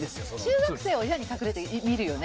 中学生は親に隠れて見るよね。